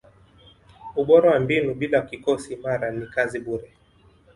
ubora wa mbinu bila kikosi imara ni kazi bure